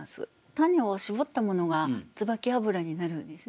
種を搾ったものが椿油になるんですね。